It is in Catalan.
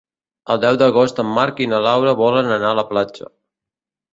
El deu d'agost en Marc i na Laura volen anar a la platja.